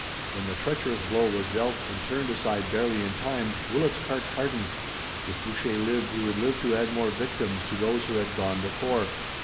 When the treacherous blow was dealt and turned aside barely in time, Willet's heart hardened. If Boucher lived he would live to add more victims to those who had gone before.